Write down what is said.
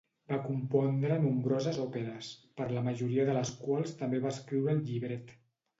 Va compondre nombroses òperes, per la majoria de les quals també va escriure el llibret.